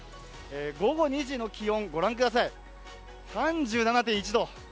午後２時の気温、御覧ください、３７．１度。